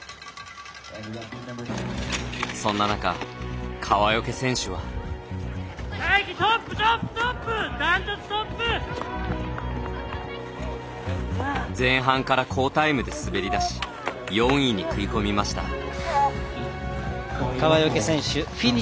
そんな中、川除選手は。前半から好タイムで滑り出し４位に食い込みました。